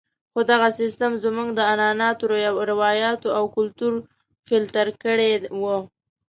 خو دغه سیستم زموږ عنعناتو، روایاتو او کلتور فلتر کړی وو.